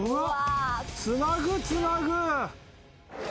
つなぐつなぐ！